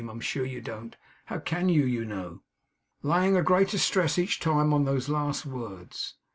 I am sure you don't. How CAN you, you know?' laying a greater stress each time on those last words.